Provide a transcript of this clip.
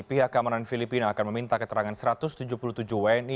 pihak keamanan filipina akan meminta keterangan satu ratus tujuh puluh tujuh wni